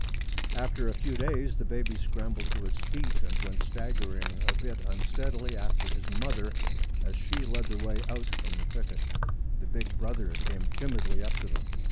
After a few days the baby scrambled to his feet and went staggering a bit unsteadily after his mother as she led the way out from the thicket. The big brother came timidly up to them.